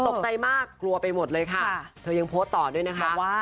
ตกใจมากกลัวไปหมดเลยค่ะเธอยังโพสต์ต่อด้วยนะคะว่า